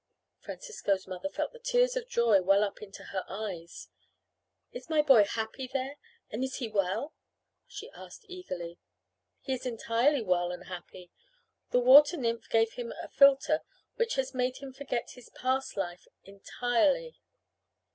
Francisco's mother felt the tears of joy well up into her eyes. "Is my boy happy there and is he well?" she asked eagerly. "He is entirely well and happy. The water nymph gave him a philtre which has made him forget his past life entirely."